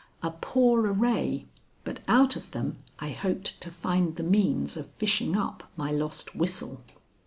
A poor array, but out of them I hoped to find the means of fishing up my lost whistle.